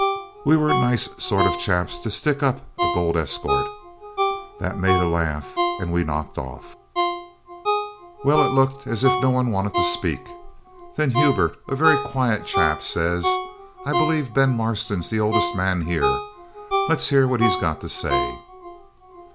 We were nice sort of chaps to stick up a gold escort. That made a laugh, and we knocked off. Well, it looked as if no one wanted to speak. Then Hulbert, a very quiet chap, says, 'I believe Ben Marston's the oldest man here; let's hear what he's got to say.'